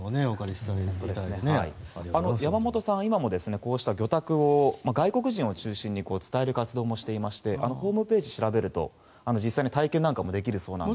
山本さんは、今もこうした魚拓を外国人を中心に伝える活動をしていましてホームページを調べると実際に体験なんかもできるそうなので。